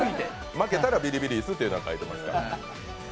負けたらビリビリ椅子というのは書いてありますからね。